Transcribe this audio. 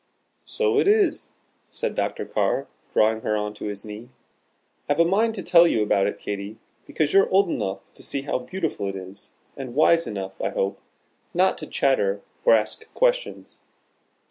"So it is," said Dr. Carr, drawing her on to his knee. "I've a mind to tell you about it, Katy, because you're old enough to see how beautiful it is, and wise enough (I hope) not to chatter or ask questions.